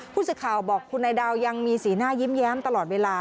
ผู้สื่อข่าวบอกคุณนายดาวยังมีสีหน้ายิ้มแย้มตลอดเวลา